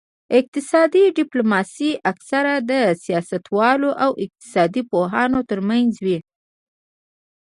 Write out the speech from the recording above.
اقتصادي ډیپلوماسي اکثراً د سیاستوالو او اقتصاد پوهانو ترمنځ وي